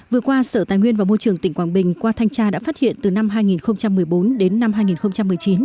vừa qua sở tài nguyên và môi trường tỉnh quảng bình qua thanh tra đã phát hiện từ năm hai nghìn một mươi bốn đến năm hai nghìn một mươi chín